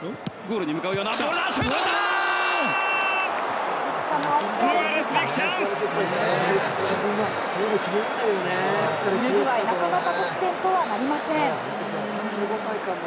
ウルグアイなかなか得点とはなりません。